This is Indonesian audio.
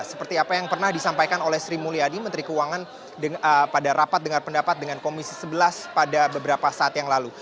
seperti apa yang pernah disampaikan oleh sri mulyadi menteri keuangan pada rapat dengar pendapat dengan komisi sebelas pada beberapa saat yang lalu